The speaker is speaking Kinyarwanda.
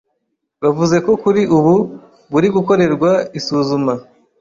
bavuze ko kuri ubu buri gukorerwa isuzuma